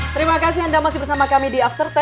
terima kasih anda masih bersama kami di after sepuluh